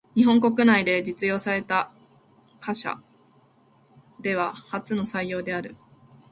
日本国内で実用された貨車では初の採用である。